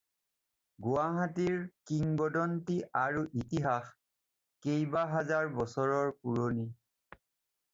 গুৱাহাটীৰ কিংবদন্তী আৰু ইতিহাস কেইবাহাজাৰ বছৰৰ পুৰণি।